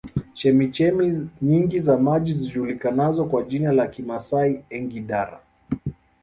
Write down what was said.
Chemchemi nyingi za maji zijulikanazo kwa jina la Kimasai Engidara